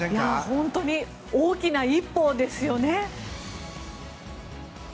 本当に大きな一歩ですよね。